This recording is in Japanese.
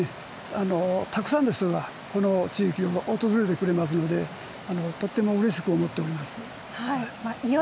でも、この１か月の間にたくさんの人がこの地域に訪れてくれますのでとてもうれしく思っております。